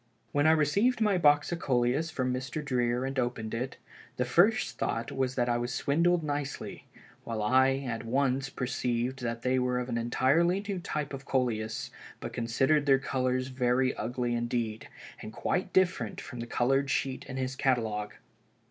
"When I received my box of Coleus from Mr. Dreer and opened it, the first thought was that I was swindled nicely, while I at once perceived that they were of an entirely new type of Coleus, but considered their colors very ugly indeed, and quite different from the colored sheet in his catalogue.